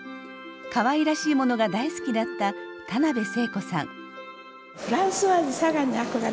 かわいらしいものが大好きだった田辺聖子さん。